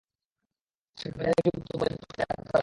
সেখানে দুই লাইনের একটি মন্তব্য লিখলে পাওয়া যায় হাজার হাজার লাইক।